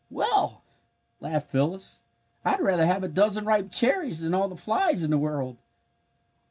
"Well," laughed Phyllis, "I'd rather have a dozen ripe cherries than all the flies in the world!"